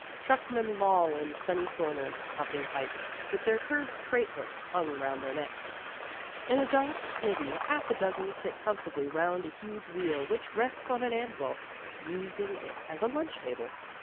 Truckmen loll in sunny corners, puffing pipes, with their curved freight hooks hung round their necks. In a dark smithy half a dozen sit comfortably round a huge wheel which rests on an anvil, using it as a lunch table.